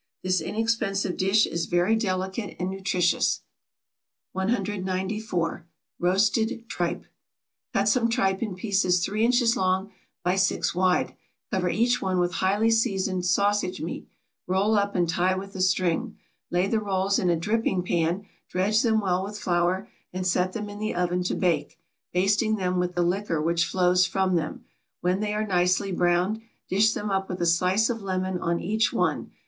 This inexpensive dish is very delicate and nutritious. 194. =Roasted Tripe.= Cut some tripe in pieces three inches long by six wide; cover each one with highly seasoned sausage meat, roll up, and tie with a string; lay the rolls in a dripping pan, dredge them well with flour, and set them in the oven to bake, basting them with the liquor which flows from them; when they are nicely browned, dish them up with a slice of lemon on each one.